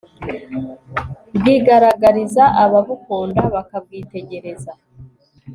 bwigaragariza ababukunda bakabwitegereza